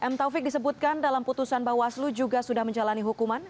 m taufik disebutkan dalam putusan bawaslu juga sudah menjalani hukuman